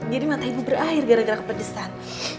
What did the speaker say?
jadi mata ibu berair gara gara kepedesan